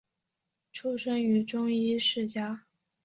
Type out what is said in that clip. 出生于中医世家。